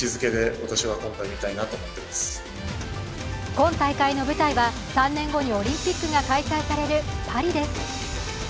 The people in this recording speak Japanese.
今大会の舞台は、３年後にオリンピックが開催されるパリです。